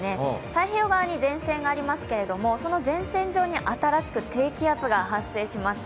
太平洋側に前線がありますけれども、その前線上に新しく低気圧が発生します。